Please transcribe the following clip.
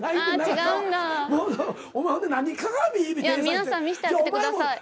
皆さん見せてあげてください。